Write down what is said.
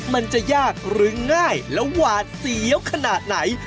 มันจะยากหรือง่ายและหวาดเสียวขนาดไหน